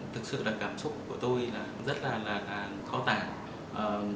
thực sự là cảm xúc của tôi là rất là khó tả